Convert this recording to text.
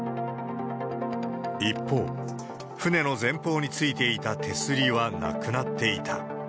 一方、船の前方についていた手すりはなくなっていた。